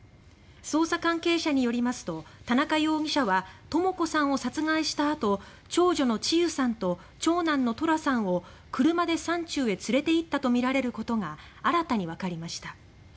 捜査関係者によりますと田中容疑者は智子さんを殺害した後長女の千結さんと長男の十楽さんを車で山中へ連れて行ったとみられることが新たにわかりました。